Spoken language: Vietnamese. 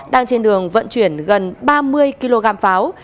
đang trên đường vận chuyển gần ba mươi kg pháo